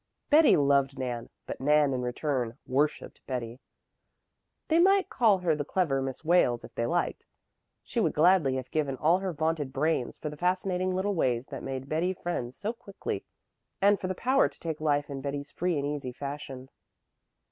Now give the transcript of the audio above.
Betty loved Nan, but Nan in return worshiped Betty. They might call her the clever Miss Wales if they liked; she would gladly have given all her vaunted brains for the fascinating little ways that made Betty friends so quickly and for the power to take life in Betty's free and easy fashion.